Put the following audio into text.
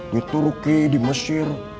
di turki di mesir